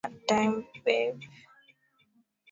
Idadi ya watu Zanzibar ni laki nane